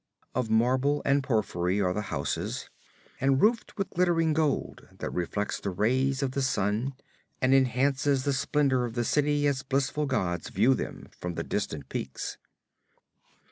Of marble and porphyry are the houses, and roofed with glittering gold that reflects the rays of the sun and enhances the splendor of the cities as blissful gods view them from the distant peaks.